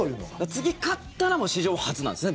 次、勝ったら史上初なんですね